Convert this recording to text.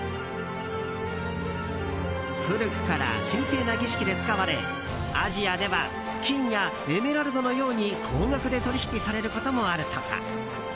古くから神聖な儀式で使われアジアでは金やエメラルドのように高額で取引されることもあるとか。